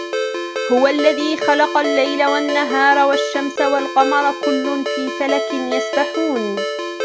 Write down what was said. وَهُوَ الَّذِي خَلَقَ اللَّيْلَ وَالنَّهَارَ وَالشَّمْسَ وَالْقَمَرَ كُلٌّ فِي فَلَكٍ يَسْبَحُونَ